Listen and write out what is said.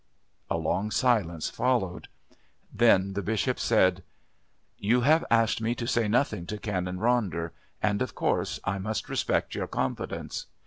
A long silence followed. Then the Bishop said: "You have asked me to say nothing to Canon Ronder, and of course I must respect your confidence.